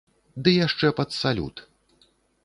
Ды яшчэ пад салют!